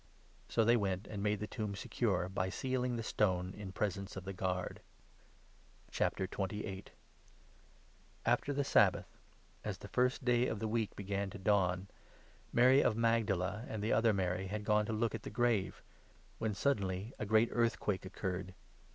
So they went and made the tomb secure, by sealing the stone, 66 in presence of the guard. VI.— THE RISEN LIFE. The After the Sabbath, as the first day of the week Ro«urroction began to dawn, Mary of Magdala and the other of jo«u«. Mary had gone to look at the grave, when sud denly a great earthquake occurred.